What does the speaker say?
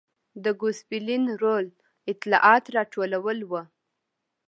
د ګوسپلین رول اطلاعات راټولول و.